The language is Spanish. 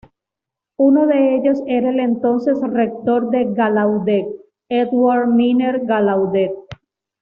Uno de ellos era el entonces rector de Gallaudet, Edward Miner Gallaudet.